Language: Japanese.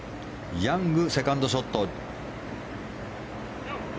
ヤング、セカンドショット。